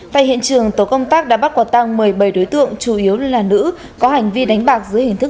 tại hiện trường tổ công tác đã bắt quả tăng một mươi bảy đối tượng chủ yếu là nữ có hành vi đánh bạc dưới hình thức